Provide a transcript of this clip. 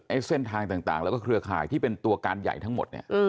เส้นทางต่างแล้วก็เครือข่ายที่เป็นตัวการใหญ่ทั้งหมดเนี่ย